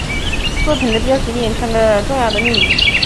作品的标题隐藏着重要的秘密。